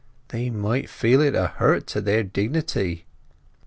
"They might feel it a hurt to their dignity."